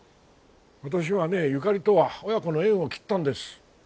私はねゆかりとは親子の縁を切ったんです。